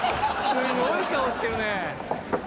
すごい顔してるね」